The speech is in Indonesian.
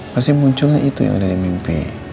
pasti munculnya itu yang ada di mimpi